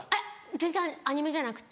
全然アニメじゃなくて。